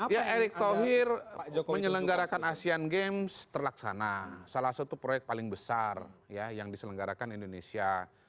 ya erick thohir menyelenggarakan asean games terlaksana salah satu proyek paling besar yang diselenggarakan indonesia